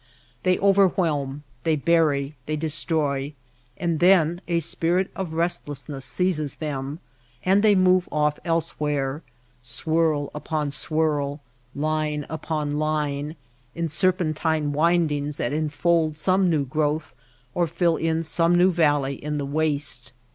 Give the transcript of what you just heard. They overwhelm, they bury, they destroy, and then a spirit of restlessness seizes them and they move off elsewhere, swirl upon swirl, line upon line, in serpentine windings that enfold some new growth or fill in some new valley in the waste.